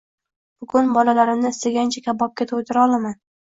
Bugun bolalarimni istagancha kabobga to‘ydira olaman.